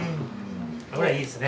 これはいいですね。